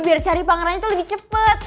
biar cari pangeran itu lebih cepat